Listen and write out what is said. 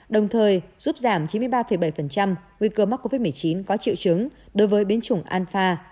đồng thời giúp giảm chín mươi ba bảy nguy cơ mắc covid một mươi chín có triệu chứng đối với biến chủng anfa